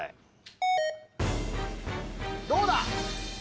どうだ？